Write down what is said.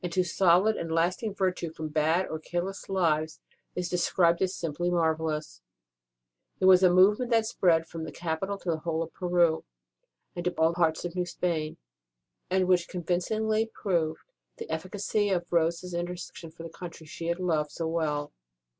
ROSE OF LIMA solid and lasting virtue from bad or careless lives is described as simply marvellous ; and it was a movement that spread from the capital to the whole of Peru and to all parts of New Spain, and which convincingly proved the efficacy of Rose s intercession for the country she had loved so well.